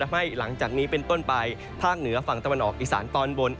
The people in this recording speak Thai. ให้หลังจากนี้เป็นต้นไปภาคเหนือฝั่งตะวันออกอีสานตอนบน